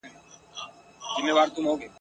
چي څه عقل یې درلودی هغه خام سو ..